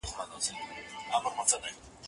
لوبه د زهشوم له خوا کيږي؟!